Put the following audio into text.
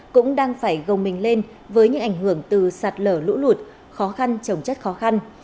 cũng đang phải gồng mình lên với những ảnh hưởng từ sạt lở lũ lụt khó khăn trồng chất khó khăn